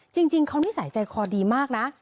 จริงเขานี่ใส่ใจคอดีมากนะ